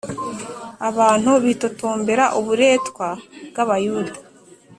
Abantu bitotombera uburetwa bw'Abayuda